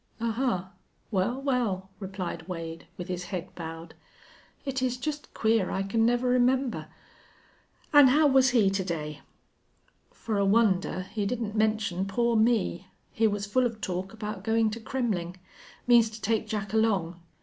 "Ahuh! Well, well!" replied Wade, with his head bowed. "It is just queer I can never remember.... An' how was he to day?" "For a wonder he didn't mention poor me. He was full of talk about going to Kremmling. Means to take Jack along.